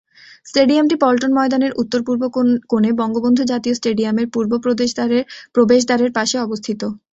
স্টেডিয়ামটি পল্টন ময়দানের উত্তর-পূর্ব কোনে বঙ্গবন্ধু জাতীয় স্টেডিয়ামের পূর্ব প্রবেশদ্বারের পাশে অবস্থিত।